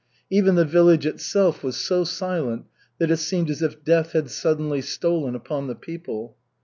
Even the village itself was so silent that it seemed as if death had suddenly stolen upon the people.